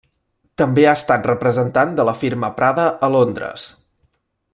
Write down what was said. També ha estat representant de la firma Prada a Londres.